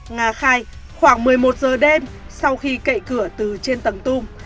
nga khai khoảng một mươi một giờ đêm sau khi cậy cửa từ trên tầng tung